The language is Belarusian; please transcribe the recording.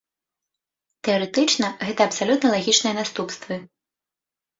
Тэарэтычна, гэта абсалютна лагічныя наступствы.